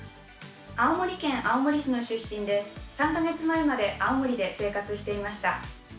青森県青森市の出身で３か月前まで青森で生活していました。